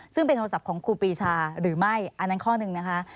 ซึ่งเป็นโทรศัพท์ของครูปีชาหรือไม่อันนั้นข้อหนึ่งนะคะ